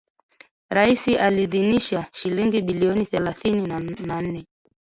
Rais aliidhinisha shilingi bilioni thelathini na nne